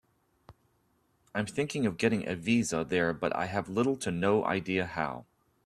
I'm thinking of getting a visa there but I have little to no idea how.